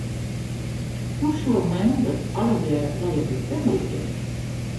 Hoe soe mem dat allegearre ea betelje kinne?